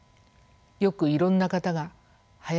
よくいろんな方が「林さん